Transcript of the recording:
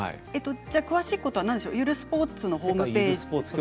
詳しいことはゆるスポーツのホームページで？